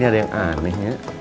ini ada yang anehnya